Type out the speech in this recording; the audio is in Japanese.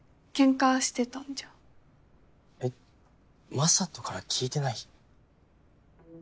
雅人から聞いてない？